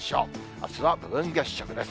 あすは部分月食です。